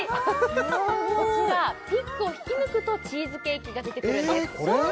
こちらピックを引き抜くとチーズケーキが出てくるんですこれ？